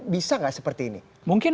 bisa nggak seperti ini mungkin